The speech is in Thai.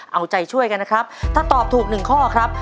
เอาใจช่วยกันนะครับถ้าตอบถูกหนึ่งข้อครับ